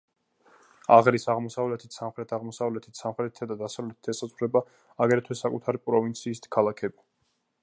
აღრის აღმოსავლეთით, სამხრეთ-აღმოსავლეთით, სამხრეთითა და დასავლეთით ესაზღვრება, აგრეთვე, საკუთარი პროვინციის ქალაქები.